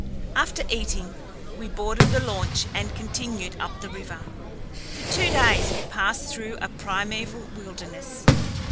After eating, we boarded the launch and continued up the river. For two days we passed through a primeval wilderness.